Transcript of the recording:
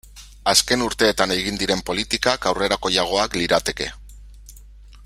Azken urteetan egin diren politikak aurrerakoiagoak lirateke.